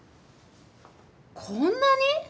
こんなに？